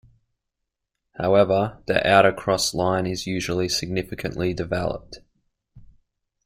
However, the outer cross line is usually significantly developed.